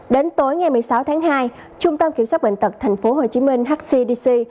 đến tối ngày một mươi sáu tháng hai trung tâm kiểm soát bệnh tật thành phố hồ chí minh hcdc